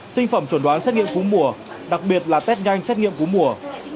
sinh phẩm chuẩn đoán xét nghiệm cúm mùa đặc biệt là test nhanh xét nghiệm cú mùa